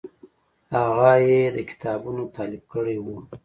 هغه یې د کتابونو تالیف کړی و.